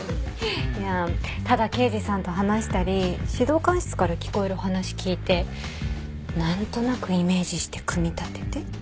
いやただ刑事さんと話したり指導官室から聞こえる話聞いて何となくイメージして組み立てて。